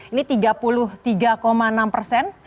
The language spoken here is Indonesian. ini tiga puluh tiga enam persen